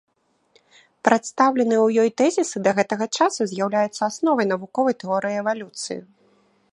Прадстаўленыя ў ёй тэзісы да гэтага часу з'яўляюцца асновай навуковай тэорыі эвалюцыі.